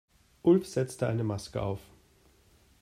Ulf setzte eine Maske auf.